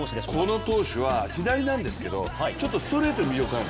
この投手は左なんですけどちょっとストレートに魅力がある。